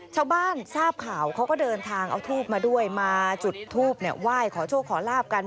ชาวบ้านทราบข่าวเขาก็เดินทางเอาทูบมาด้วยมาจุดทูบไหว้ขอโชคขอลาบกัน